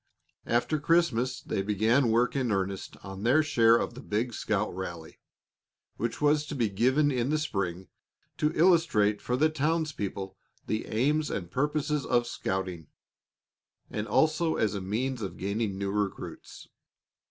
After Christmas they began work in earnest on their share of the big scout rally, which was to be given in the spring to illustrate for the towns people the aims and purposes of scouting, and also as a means of gaining new recruits.